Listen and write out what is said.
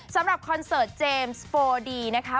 สำหรับคอนเสิร์ตเจมส์โฟร์ดีนะคะ